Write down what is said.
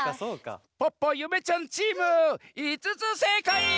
ポッポゆめちゃんチーム５つせいかい！